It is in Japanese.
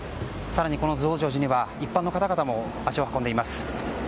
更にこの増上寺には一般の方々も足を運んでいます。